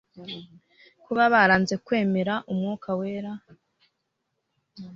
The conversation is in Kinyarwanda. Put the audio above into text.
Kuba baranze kwemerera Umwuka wera ngo abayobore byabavukije imbaraga zawo.